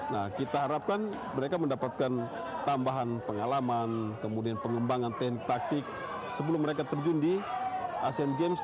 nah kita harapkan mereka mendapatkan tambahan pengalaman kemudian pengembangan teknik taktik sebelum mereka terjun di asean games